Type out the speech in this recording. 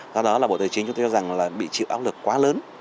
do đó là bộ tài chính cho thấy rằng là bị chịu áo lực quá lớn